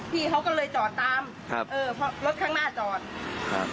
พี่เขาก็เลยจอดตามครับเออเพราะรถข้างหน้าจอดครับ